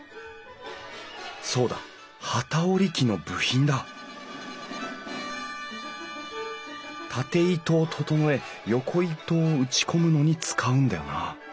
そうだ機織り機の部品だ縦糸を整え横糸を打ち込むのに使うんだよな